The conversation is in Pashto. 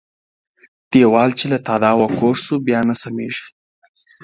ديوال چې د تاداوه کوږ سو ، بيا نه سمېږي.